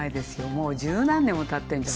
もう十何年もたってんじゃない？